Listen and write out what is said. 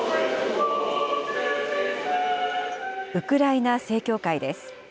ウクライナ正教会です。